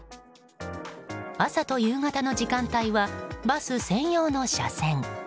朝と夕方の時間帯はバス専用の車線。